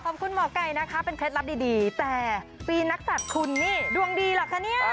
ขอบคุณหมอไก่นะคะเป็นเคล็ดลับดีแต่ปีนักศัตริย์คุณนี่ดวงดีเหรอคะเนี่ย